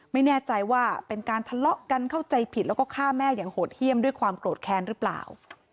ไม่แน่ใจว่าเป็นการทะเลาะกันเข้าใจผิดแล้วก็ฆ่าแม่อย่างโหดเยี่ยมด้วยความโกรธแค้นหรือเปล่า